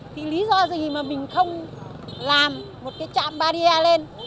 thì lý do gì mà mình không làm một cái trạm bà đê lên